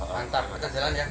mantap kita jalan ya